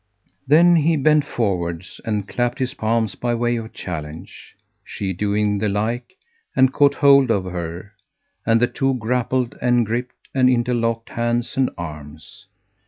Then he bent forwards and clapped his palms by way of challenge, she doing the like, and caught hold of her, and the two grappled and gripped and interlocked hands and arms.